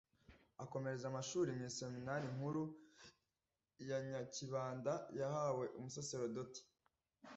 akomereza amashuri mu iseminari nkuru ya Nyakibanda Yahawe Ubusaseridoti